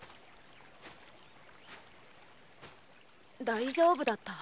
大丈夫だった？